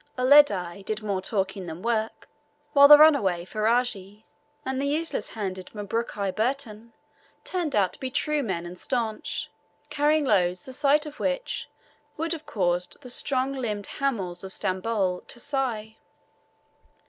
Uledi did more talking than work; while the runaway Ferajji and the useless handed Mabruki Burton turned out to be true men and staunch, carrying loads the sight of which would have caused the strong limbed hamals of Stamboul to sigh.